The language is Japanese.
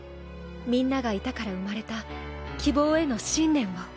みんながいたから生まれた希望への信念を。